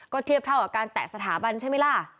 เทียบเท่ากับการแตะสถาบันใช่ไหมล่ะ